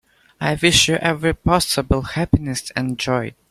I wish you every possible happiness and joy.